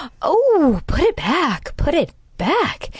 'Oh, put it back, put it back!